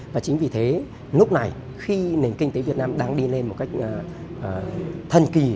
và chính vì thế lúc này khi nền kinh tế việt nam đang đi lên một cách thần kỳ